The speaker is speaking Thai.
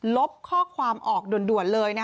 ลบข้อความออกด่วนเลย